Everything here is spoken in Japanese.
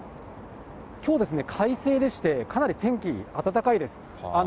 きょうですね、快晴でして、かなり天気、暖かいです。